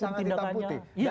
iya sangat tidak putih